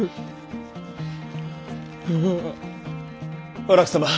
お楽様。